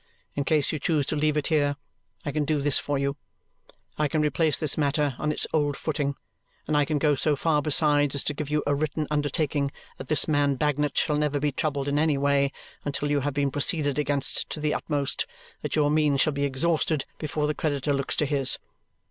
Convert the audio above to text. In case you choose to leave it here, I can do this for you I can replace this matter on its old footing, and I can go so far besides as to give you a written undertaking that this man Bagnet shall never be troubled in any way until you have been proceeded against to the utmost, that your means shall be exhausted before the creditor looks to his.